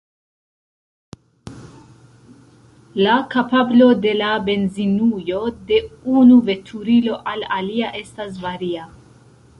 La kapablo de la benzinujo de unu veturilo al alia estas varia.